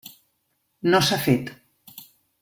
No s'ha fet.